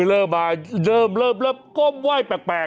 ต้องมาขอความปกติ